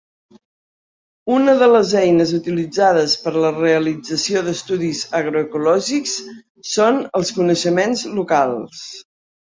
Una de les eines utilitzades per a la realització d'estudis agroecològics són els coneixements locals.